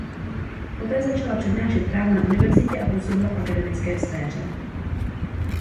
Poté začala přednášet právo na univerzitě a působila v akademické sféře.